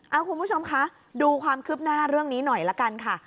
เอาคุณผู้ชมคะดูความคืบหน้าเรื่องนี้หน่อยละกันค่ะ